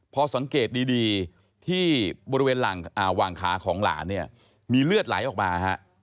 พอสังเกตดีที่บริเวณหว่างขาของหลานเนี่ยมีเลือดไหลออกมาฮะ